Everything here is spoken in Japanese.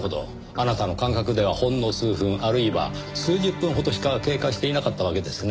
あなたの感覚ではほんの数分あるいは数十分ほどしか経過していなかったわけですね？